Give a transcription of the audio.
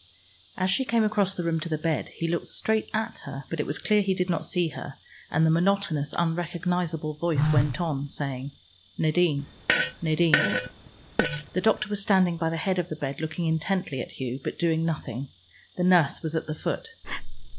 As she came across the room to the bed, he looked straight at her, but it was clear he did not see her, and the monotonous, unrecognizable voice went on saying, "Nadine, Nadine." The doctor was standing by the head of the bed, looking intently at Hugh, but doing nothing: the nurse was at the foot.